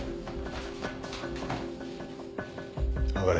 上がれ。